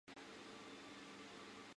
因此我果然被说是音色了呢。